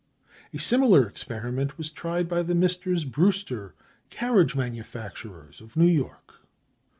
A similar experiment was tried by the Messrs. Brewster, carriage manufacturers, of New York.